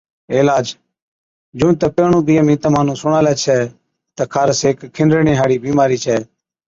علاج، جُون تہ پيهڻُون بِي اَمهِين تمهان نُون سُڻالَي ڇَي تہ خارس هيڪ کنڊرڻي هاڙِي بِيمارِي ڇَي